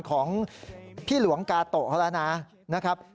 ของพี่หลวงกาโตะเขาแล้วนะครับ